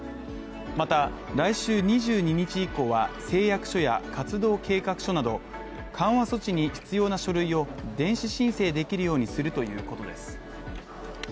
また、来週２２日以降は、誓約書や活動計画書など緩和措置に必要な書類を電子申請できるようにするということです。